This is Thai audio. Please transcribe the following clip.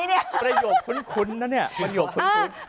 ประโยคคุ้นนะเนี่ยประโยคคุ้น